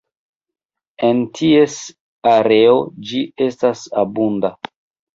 En ties areo ĝi estas abunda.